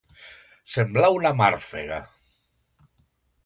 Semblar una màrfega.